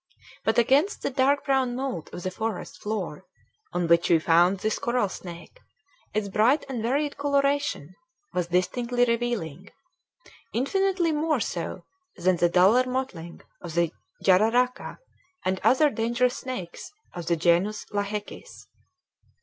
But against the dark brown mould of the forest floor on which we found this coral snake its bright and varied coloration was distinctly revealing; infinitely more so than the duller mottling of the jararaca and other dangerous snakes of the genus lachecis.